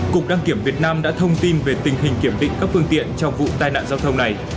cục đăng kiểm việt nam đã thông tin về tình hình kiểm định các phương tiện trong vụ tai nạn giao thông này